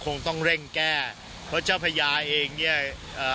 คงต้องเร่งแก้เพราะเจ้าพญาเองเนี้ยเอ่อ